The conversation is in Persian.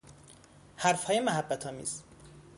حرفهای محبتآمیز